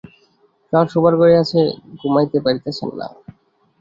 তাঁহার শোবার ঘরেই আছেন, ঘুমাইতে পারিতেছেন না।